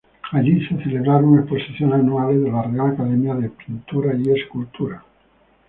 Allí se celebraron exposiciones anuales de la Real Academia de Pintura y Escultura.